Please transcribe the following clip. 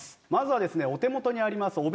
まずはですねお手元にあります